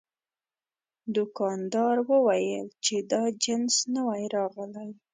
دوکاندار وویل چې دا جنس نوی راغلی.